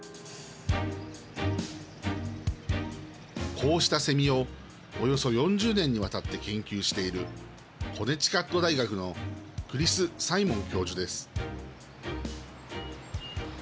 こうしたセミを、およそ４０年にわたって研究しているコネティカット大学のクリス・サイモン教授です。